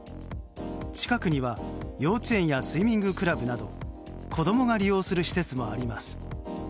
近くには幼稚園やスイミングクラブなど子供が利用する施設もあります。